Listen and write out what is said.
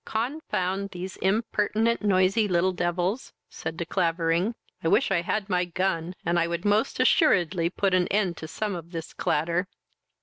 "Confound these impertinent noisy little devils! (said De Clavering,) I wish I had my gun, and I would most assuredly put an end to some of this clatter."